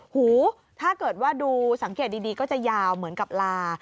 หูถ้าเกิดว่าดูสังเกตดีก็จะยาวเหมือนกับลา